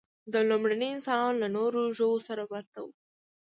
دا لومړني انسانان له نورو ژوو سره ورته وو.